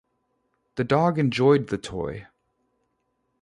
The dog enjoyed the toy.